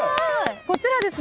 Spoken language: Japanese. こちらですね